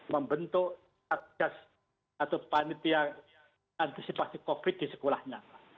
membentuk satgas atau panitia antisipasi covid di sekolahnya